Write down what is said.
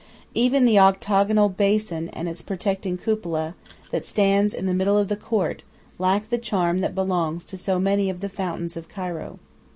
Even the octagonal basin and its protecting cupola that stands in the middle of the court lack the charm that belongs to so many of the fountains of Cairo.